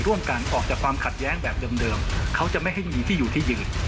ออกจากความขัดแย้งแบบเดิมเขาจะไม่ให้มีที่อยู่ที่ยืน